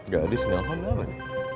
gadis nyalakan belakangnya